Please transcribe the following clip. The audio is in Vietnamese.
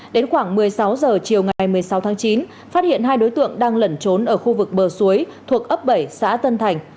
đến khoảng một mươi sáu h chiều ngày một mươi sáu tháng chín phát hiện hai đối tượng đang lẩn trốn ở khu vực bờ suối thuộc ấp bảy xã tân thành